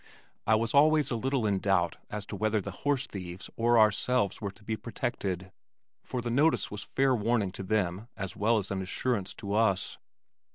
I was always a little in doubt as to whether the horse thieves or ourselves were to be protected, for the notice was fair warning to them as well as an assurance to us.